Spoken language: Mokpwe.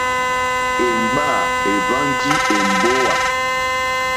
Èmgbâ èhwánjì èmbówà.